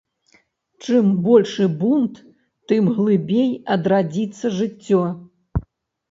Чым большы бунт, тым глыбей адрадзіцца жыццё.